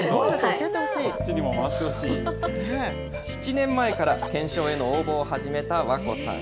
７年前から懸賞への応募を始めたわこさん。